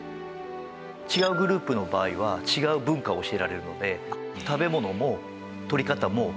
違うグループの場合は違う文化を教えられるので食べ物もとり方も違ってたりします。